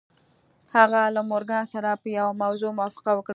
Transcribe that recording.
هغه له مورګان سره په یوه موضوع موافقه وکړه